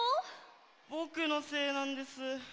ぼくのせいなんです。